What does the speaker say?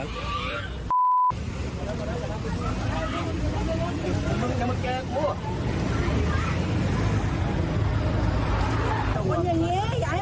คุณผู้ชมคุณผู้ชมคุณผู้ชม